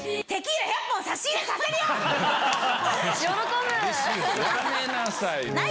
やめなさい。